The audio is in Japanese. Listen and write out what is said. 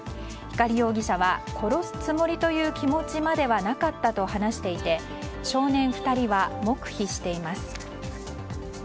光容疑者は殺すつもりという気持ちまではなかったと話していて少年２人は黙秘しています。